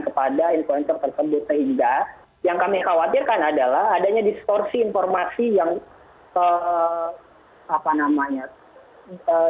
kepada influencer tersebut sehingga yang kami khawatirkan adalah adanya distorsi informasi yang apa namanya